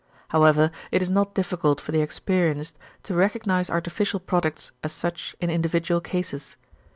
However it is not difficult for the experienced to recognise artificial products as such in individual cases.